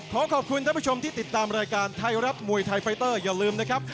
ขอขอบคุณท่านผู้ชมที่ติดตามรายการไทยรัฐมวยไทยไฟเตอร์อย่าลืมนะครับ